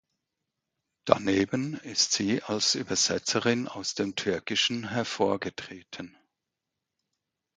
Daneben ist sie als Übersetzerin aus dem Türkischen hervorgetreten.